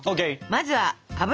まずは油。